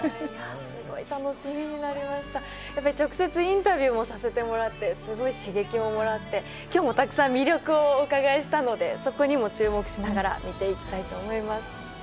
やっぱり直接インタビューもさせてもらってすごい刺激ももらって今日もたくさん魅力をお伺いしたのでそこにも注目しながら見ていきたいと思います。